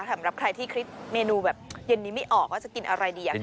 สำหรับใครที่คิดเมนูแบบเย็นนี้ไม่ออกก็จะกินอะไรดีอย่างนั้น